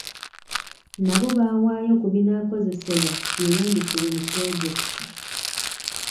Nabo baawaayo ku binaakozesebwa byeyambisibwe mu pulojekiti.